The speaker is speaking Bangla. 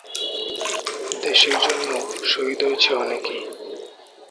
দেশের জন্য শহীদ হয়েছেন অনেকে।